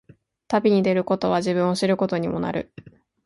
旅に出ることは、自分を知ることにもなる。